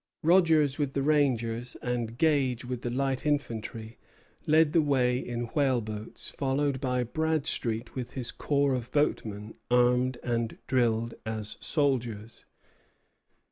Rogers with the rangers, and Gage with the light infantry, led the way in whaleboats, followed by Bradstreet with his corps of boatmen, armed and drilled as soldiers.